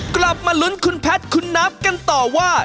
กลับมาลุ้นคุณแพทย์คุณนับกันต่อว่า